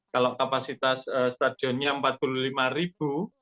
kalau kapasitas stadionnya empat puluh lima ribu